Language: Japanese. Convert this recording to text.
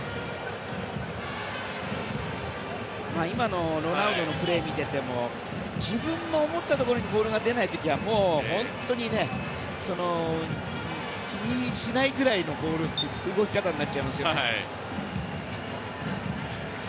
今のロナウドのプレーを見てても自分の思ったところにボールが出ない時はもう本当に気にしないぐらいの動き方になっちゃいますね。